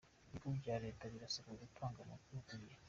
Ibigo bya Leta birasabwa gutanga amakuru ku gihe